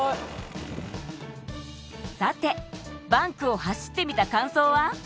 さてバンクを走ってみた感想は？